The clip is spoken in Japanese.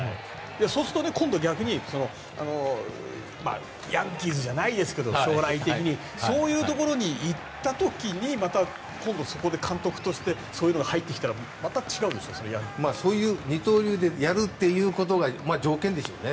そうすると今後、逆にヤンキースじゃないですが将来的にそういうところに行った時にまた今度、そこで監督としてそういうのが入ってきたら二刀流でやるっていうことが条件でしょうね。